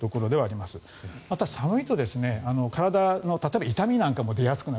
また寒いと、体の例えば痛みなんかも出やすくなる。